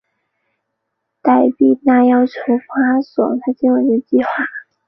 黛丝碧娜要求阿方索让她接管这个计画。